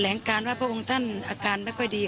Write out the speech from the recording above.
ก็แถลงการว่าพวกท่านอาการไปก็ดี